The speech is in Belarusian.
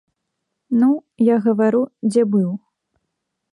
Ну, я гавару, дзе быў.